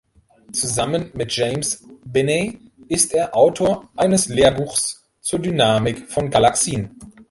Zusammen mit James Binney ist er Autor eines Lehrbuchs zur Dynamik von Galaxien.